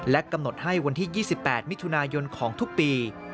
กำหนดให้วันที่๒๘มิถุนายนของทุกปี